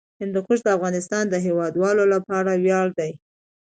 هندوکش د افغانستان د هیوادوالو لپاره ویاړ دی.